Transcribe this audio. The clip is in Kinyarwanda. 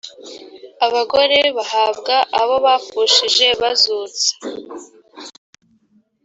abagore bahabwaga abo bapfushije bazutse